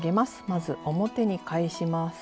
まず表に返します。